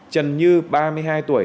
trần như ba mươi hai tuổi